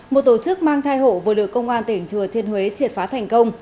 một tổ chức mang thai hộ vừa được công an tỉnh thừa thiên huế triệt phá thành công